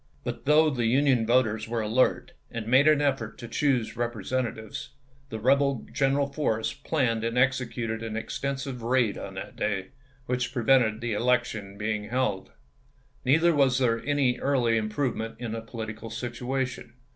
But though the Union voters were alert, and made an effort to choose Repre sentatives, the rebel General Forrest planned and executed an extensive raid on that day, which pre vented the election being held. Neither was there any early improvement in the political situation.